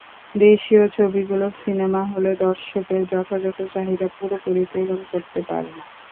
দেশীয় ছবিগুলো সিনেমা হলে দর্শকের যথাযথ চাহিদা পুরোপুরি পূরণ করতে পারে না।